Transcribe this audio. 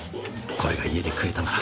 これが家で食えたなら。